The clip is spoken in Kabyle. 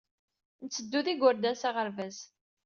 Ntteddu ed yigerdan s aɣerbaz.